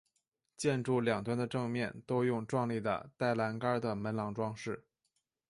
建筑两端的正面都用壮丽的带栏杆的门廊装饰。